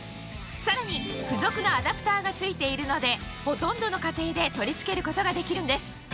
さらに付属のアダプターが付いているのでほとんどの家庭で取り付けることができるんです